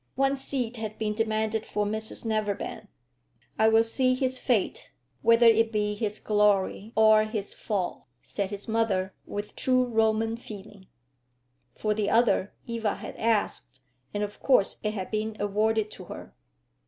One seat had been demanded for Mrs Neverbend. "I will see his fate, whether it be his glory or his fall," said his mother, with true Roman feeling. For the other Eva had asked, and of course it had been awarded to her.